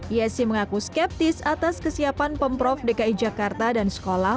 yesi mengaku skeptis atas kesiapan pemprov dki jakarta dan sekolah